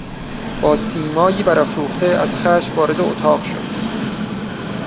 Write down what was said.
با سیمایی برافروخته از خشم وارد اتاق شد.